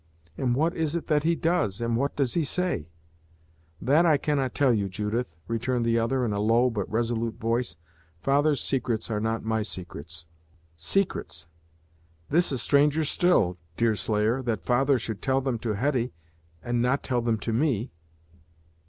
"And what is it that he does, and what does he say?" "That I cannot tell you, Judith," returned the other in a low but resolute voice. "Father's secrets are not my secrets." "Secrets! This is stranger still, Deerslayer, that father should tell them to Hetty, and not tell them to me!"